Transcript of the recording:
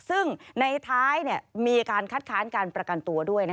ซึ่งในท้ายมีการคัดค้านการประกันตัวด้วย